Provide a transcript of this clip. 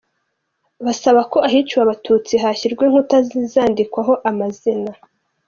Basaba ko ahiciwe abatutsi hashyirwa inkuta zikandikwaho amazina.